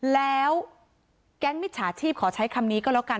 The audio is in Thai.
แล้วแก๊งมิจฉาชีพขอใช้คำนี้ก็แล้วกัน